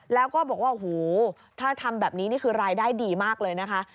แล้วก็บอกว่าโอ้โหถ้าทำแบบนี้นี่คือรายได้ดีมากเลยนะคะ